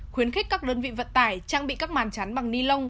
khuyến khích các đơn vị vận tải trang bị các màn chắn bằng ni lông